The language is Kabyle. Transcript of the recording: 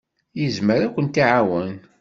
Yezmer ad kent-iɛawen.